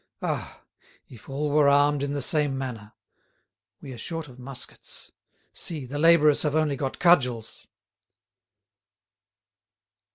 Ah! if all were armed in the same manner! We are short of muskets. See, the labourers have only got cudgels!"